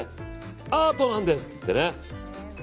アートなんですって言ってね。